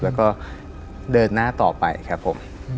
แล้วก็เดินหน้าต่อไปครับผม